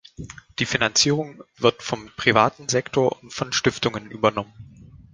Die Finanzierung wird vom privaten Sektor und von Stiftungen übernommen.